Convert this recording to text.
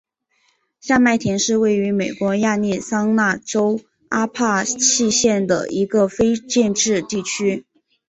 下麦田是位于美国亚利桑那州阿帕契县的一个非建制地区。